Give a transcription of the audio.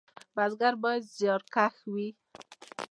بزګر باید زیارکښ وي